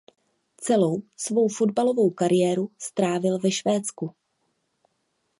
Celou svou fotbalovou kariéru strávil ve Švédsku.